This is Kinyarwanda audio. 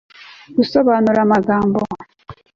gusobanura amagambo